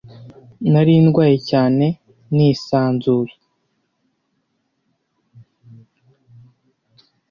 Nari ndwaye cyane nisanzuye